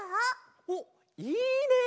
おっいいね！